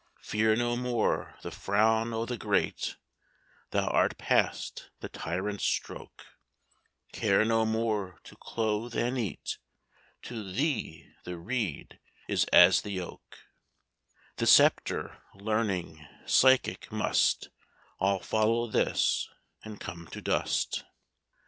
"Fear no more the frown o' the great; Thou art past the tyrant's stroke; Care no more to clothe and eat; To thee the reed is as the oak; The sceptre, learning, physic, must All follow this, and come to dust.